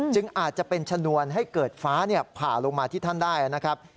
อาจจะเป็นชนวนให้เกิดฟ้าผ่าลงมาที่ท่านได้นะครับ